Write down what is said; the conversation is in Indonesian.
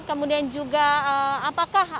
kemudian juga apakah